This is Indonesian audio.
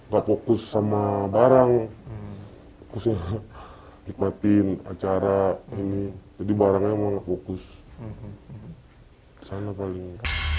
gak fokus sama barang fokusnya nikmatin acara ini jadi barangnya emang gak fokus di sana paling